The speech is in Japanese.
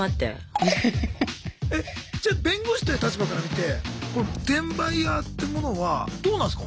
じゃ弁護士という立場から見てこれ転売ヤーってものはどうなんすか